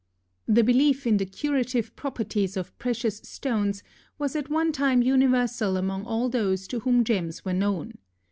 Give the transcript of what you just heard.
The belief in the curative properties of precious stones was at one time universal among all those to whom gems were known.